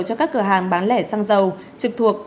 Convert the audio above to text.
cho các cửa hàng bán lẻ xăng dầu trực thuộc